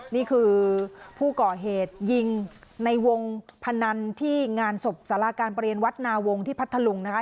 นี่คือผู้ก่อเหตุยิงในวงพนันที่งานศพสาราการประเรียนวัดนาวงที่พัทธลุงนะคะ